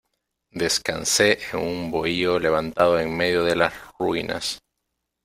descansé en un bohío levantado en medio de las ruinas,